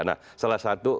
nah salah satu